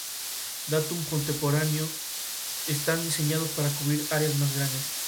Datum contemporáneos están diseñados para cubrir áreas más grandes.